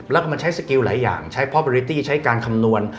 แล้วก็มันใช้สกิลหลายอย่างใช้พอบริตี้ใช้การคำนวณ